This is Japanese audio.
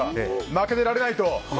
負けてられないと。